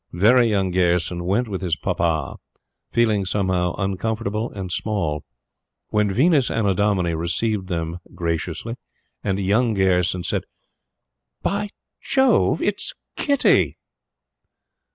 "Very Young" Gayerson went with his papa, feeling, somehow, uncomfortable and small. The Venus Annodomini received them graciously and "Young" Gayerson said: "By Jove! It's Kitty!"